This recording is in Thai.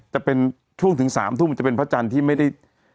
จะเป็นช่วงถึง๓ทุ่มมันจะเป็นพระจันทร์ที่ไม่ได้